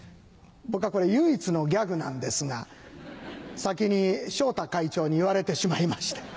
僕はこれ唯一のギャグなんですが先に昇太会長に言われてしまいまして。